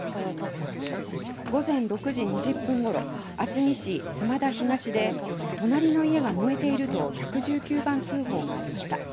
午前６時２０分ごろ厚木市妻田東で隣の家が燃えていると１１９番通報がありました。